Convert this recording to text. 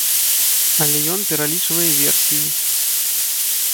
Але ён пералічвае версіі.